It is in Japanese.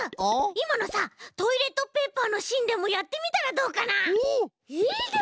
いまのさトイレットペーパーのしんでもやってみたらどうかな？